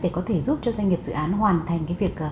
để có thể giúp cho doanh nghiệp dự án hoàn thành việc